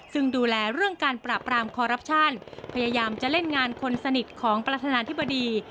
ซึ่งดูแลเรื่องการปราบรามคอรับชันพยายามจะเล่นงานคนสนิทของประธานาธิบดี